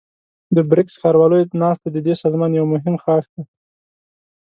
د بريکس ښارواليو ناسته ددې سازمان يو مهم ښاخ دی.